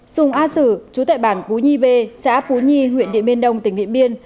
dùng á sử chú tệ bản phú nhi v xã phú nhi huyện điện biên đông tỉnh điện biên